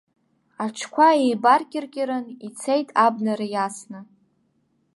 Аҽқәа еибаркьыркьырын, ицеит абнара иасны.